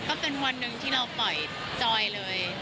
ก็เป็นวันหนึ่งที่เราปล่อยจอยเลย